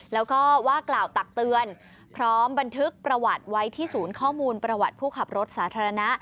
แล้วก็ว่ากล่าวตักเตือนพร้อมบันทึกประวัติไว้ที่ศูนย์ข้อมูลประวัติผู้ขับรถสาธารณะ